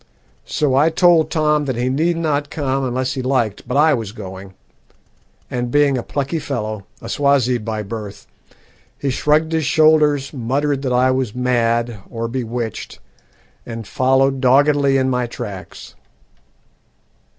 So I told Tom that he need not come unless he liked, but I was going; and being a plucky fellow, a Swazi by birth, he shrugged his shoulders, muttered that I was mad or bewitched, and followed doggedly in my tracks.